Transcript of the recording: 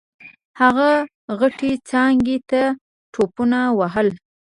هغه غټې څانګې ته ټوپونه ووهل.